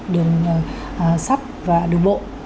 đường sắt và đường bộ